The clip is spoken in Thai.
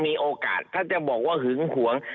มีโอกาสถ้าจะบอกว่าหึงหวง